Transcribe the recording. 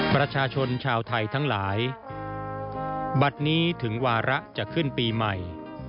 ประชาชนชาวไทยทั้งหลายบัตรนี้ถึงวาระจะขึ้นปีใหม่